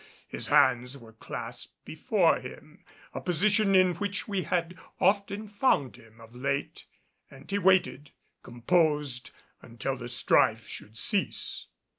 His hands were clasped before him, a position in which we had often found him of late, and he waited composed until the strife should cease.